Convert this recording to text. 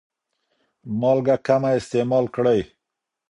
مالګه کمه استعمال کړئ.